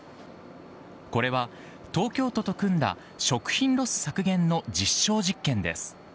これは東京都と組んだ、食品ロス削減の実証実験です。